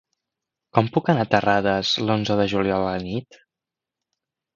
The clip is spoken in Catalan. Com puc anar a Terrades l'onze de juliol a la nit?